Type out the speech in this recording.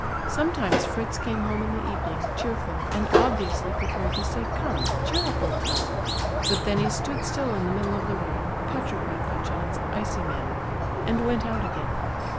Sometimes Fritz came home in the evening, cheerful, and obviously prepared to say, "Come! cheer up old fellow!" But then he stood still in the middle of the room, petrified by John's icy manner, and went out again.